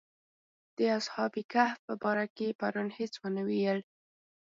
د اصحاب کهف باره کې دې پرون هېڅ ونه ویل.